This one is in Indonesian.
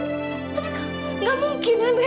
tapi gak mungkin nenek